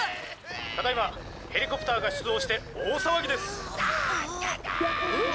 「ただ今ヘリコプターが出動して大騒ぎです」「助けて！」